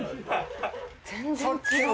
全然違う。